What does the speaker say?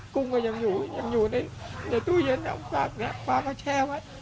กุ้งก็ยังอยู่ยังอยู่ในตู้เย็นเอาฝากเนี่ยป้าก็แช่ไว้